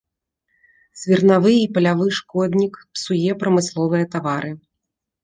Свірнавы і палявы шкоднік, псуе прамысловыя тавары.